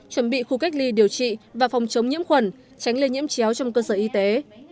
chuẩn bị khu cách ly điều trị và phòng chống nhiễm khuẩn tránh lây nhiễm chéo trong cơ sở y tế